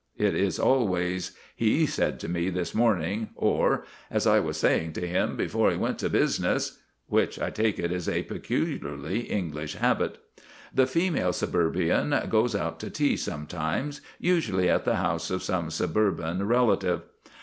It is always, "He said to me this morning," or, "As I was saying to him before he went to business," which, I take it, is a peculiarly English habit. The female suburbian goes out to tea sometimes, usually at the house of some suburban relative.